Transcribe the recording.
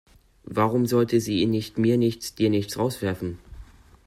Warum sollte sie ihn nicht mir nichts, dir nichts rauswerfen?